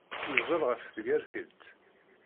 Yeẓẓel ɣef tgertilt.